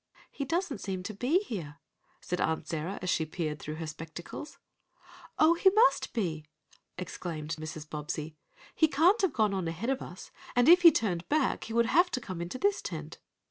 "He doesn't seem to be here," said Aunt Sarah, as she peered through her spectacles. "Oh, he must be!" exclaimed Mrs. Bobbsey. "He can't have gone on ahead of us, and if he turned back he would have to come into this tent."